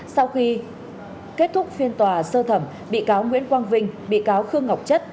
sau khi kết thúc phiên tòa sơ thẩm bị cáo nguyễn quang vinh bị cáo khương ngọc chất